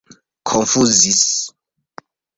konfuzis